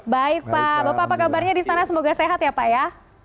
baik pak bapak apa kabarnya di sana semoga sehat ya pak ya